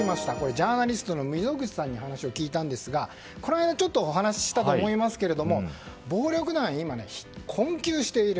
ジャーナリストの溝口さんに話を聞いたんですがこの間お話をしたと思いますが暴力団は今、困窮している。